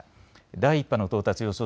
第１波の到達予想